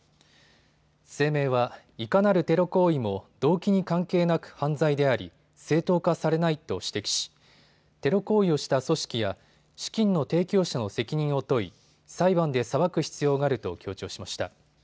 声明は、いかなるテロ行為も動機に関係なく犯罪であり正当化されないと指摘しテロ行為をした組織や資金の提供者の責任を問い裁判で裁く必要があると強調しました。